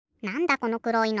このくろいの。